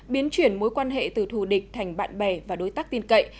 biến chuyển mối quan hệ từ thù địch thành bạn bè và đối tác tin cậy